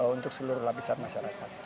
untuk seluruh lapisan masyarakat